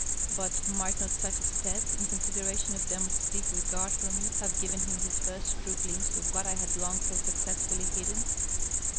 But might not such a step, in con sideration of Demotte's deep regard for me, have given him his first true glimpse of what I had long so successfully hidden